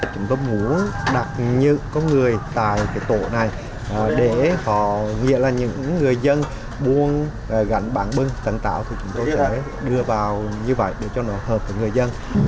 chúng tôi muốn đặt những người tài tổ này để họ nghĩa là những người dân buôn gánh bản bưng tăng tạo thì chúng tôi sẽ đưa vào như vậy để cho nó hợp với người dân